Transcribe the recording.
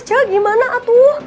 cik gimana tuh